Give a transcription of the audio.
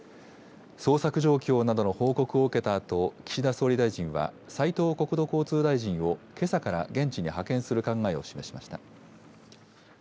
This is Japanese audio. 捜索状況などの報告を受けたあと、岸田総理大臣は斉藤国土交通大臣をけさから現地に派遣する考えを示しました。